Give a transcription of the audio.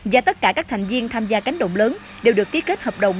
và tất cả các thành viên tham gia cánh động lớn đều được ký kết hợp đồng